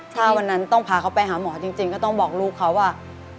ถ้าวันนั้นต้องพาเขาไปหาหมอจริงก็ต้องบอกลูกเขาว่า